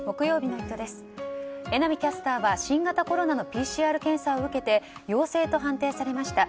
榎並キャスターは新型コロナのＰＣＲ検査を受けて陽性と判定されました。